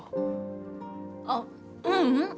あっううん！